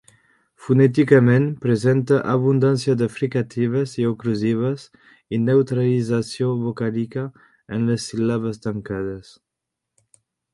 Fonèticament presenta abundància de fricatives i oclusives i neutralització vocàlica en les síl·labes tancades.